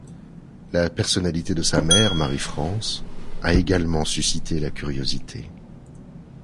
La personnalité de sa mère, Marie-France, a également suscité la curiosité.